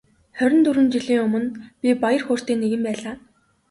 Хорин дөрвөн жилийн өмнө би баяр хөөртэй нэгэн байлаа.